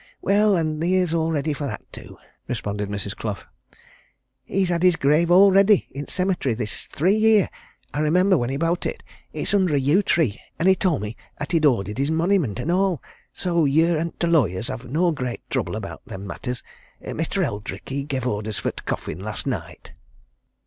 "Well, an' theer's all ready for that, too," responded Mrs. Clough. "He's had his grave all ready i' the cemetery this three year I remember when he bowt it it's under a yew tree, and he told me 'at he'd ordered his monnyment an' all. So yer an' t' lawyers'll have no great trouble about them matters. Mestur Eldrick, he gev' orders for t' coffin last night."